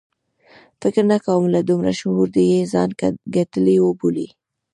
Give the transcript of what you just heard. فکر نه کوم له دومره شعور دې یې ځان ګټلی وبولي.